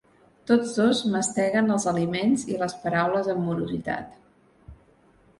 Tots dos masteguen els aliments i les paraules amb morositat.